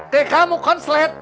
kayak kamu konslet